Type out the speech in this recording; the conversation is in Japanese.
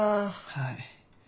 はい。